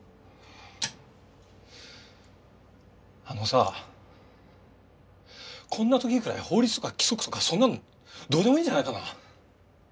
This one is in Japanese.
あのさこんな時くらい法律とか規則とかそんなのどうでもいいんじゃないかな。